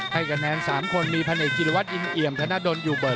ให้คะแนน๓คนมีพาเนกจิลวัฒน์อินเยี่ยมธนาดนอยู่เบิร์ด